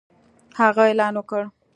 هغه اعلان وکړ